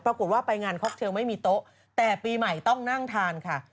ปรากฏว่าไปงานค็อกเทลไม่มีโต๊ะแต่ปีใหม่ต้องนั่งทานค่ะ